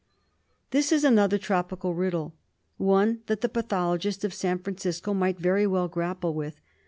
This is another tropical riddle. One that the patho logist of San Francisco might very well grapple with.